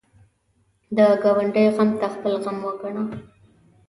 د ګاونډي غم ته خپل غم وګڼه